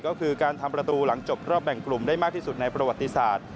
ก็คือการทำประตูหลังจบรอบแบ่งกลุ่มได้มากที่สุดในประวัติศาสตร์